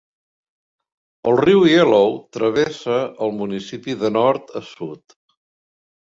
El riu Yellow travessa el municipi de nord a sud.